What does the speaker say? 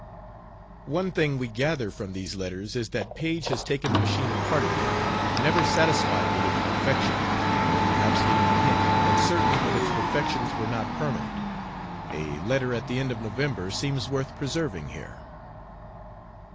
One thing we gather from these letters is that Paige has taken the machine apart again, never satisfied with its perfection, or perhaps getting a hint that certain of its perfections were not permanent. A letter at the end of November seems worth preserving here.